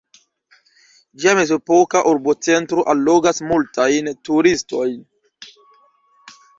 Ĝia mezepoka urbocentro allogas multajn turistojn.